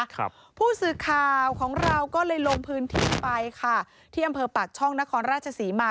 ครับผู้สื่อข่าวของเราก็เลยลงพื้นที่ไปค่ะที่อำเภอปากช่องนครราชศรีมา